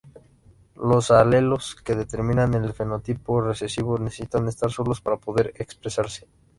Los alelos que determinan el fenotipo recesivo necesitan estar solos para poder expresarse.